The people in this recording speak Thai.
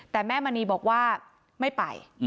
แต่แม่มณีบอกว่าไม่ไป